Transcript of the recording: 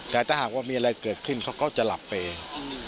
แต่ถ้าหากว่ามีอะไรเกิดขึ้นเขาก็จะหลับไปเอง